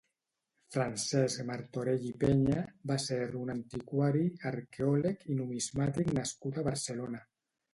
Francesc Martorell i Peña va ser un antiquari, arqueòleg i numismàtic nascut a Barcelona.